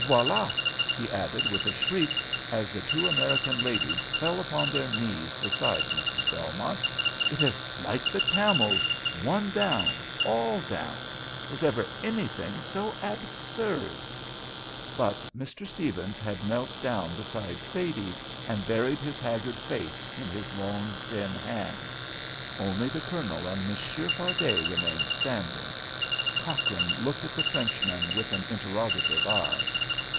Voilà!" he added, with a shriek, as the two American ladies fell upon their knees beside Mrs. Belmont. "It is like the camels one down, all down! Was ever anything so absurd?" But Mr. Stephens had knelt down beside Sadie and buried his haggard face in his long, thin hands. Only the Colonel and Monsieur Fardet remained standing. Cochrane looked at the Frenchman with an interrogative eye.